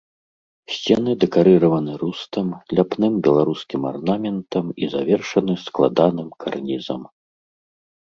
Сцены дэкарыраваны рустам, ляпным беларускім арнаментам і завершаны складаным карнізам.